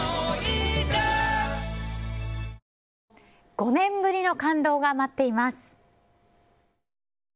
５年ぶりの感動が待っています。